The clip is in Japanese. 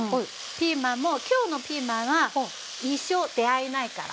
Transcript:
ピーマンも今日のピーマンは一生出会えないから。